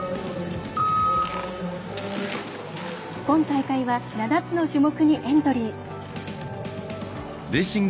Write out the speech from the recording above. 今大会は７つの種目にエントリー。